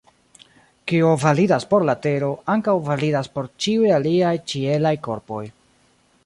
Kio validas por la Tero, ankaŭ validas por ĉiuj aliaj ĉielaj korpoj.